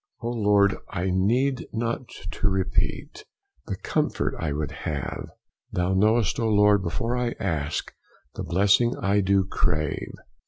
O Lord, I need not to repeat The comfort I would have: Thou know'st, O Lord, before I ask, The blessing I do crave.